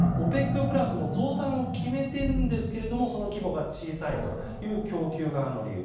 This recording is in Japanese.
ＯＰＥＣプラスも増産を決めているんですがその規模が小さいという供給側の理由。